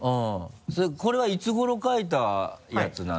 これはいつ頃描いたやつなの？